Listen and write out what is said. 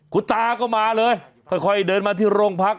คุณตาก็มาเลยค่อยเดินมาที่โรงพัก